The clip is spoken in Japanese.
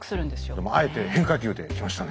あえて変化球できましたね。